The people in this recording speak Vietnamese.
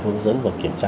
hướng dẫn và kiểm tra